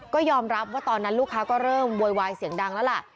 ก็ยอมรับว่าตอนนั้นลูกค้าก็เริ่มโวยวายเสียงดังแล้วล่ะ